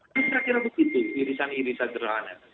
saya kira begitu irisan irisan terakhir